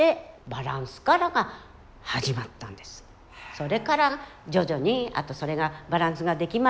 それから徐々にあとそれがバランスができました。